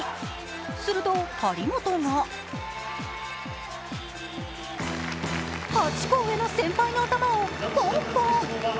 すると張本が８個上の先輩の頭をポンポン。